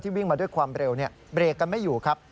วิ่งมาด้วยความเร็วเบรกกันไม่อยู่ครับ